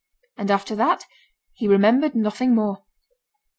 And after that he remembered nothing more.